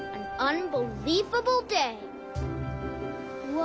うわ。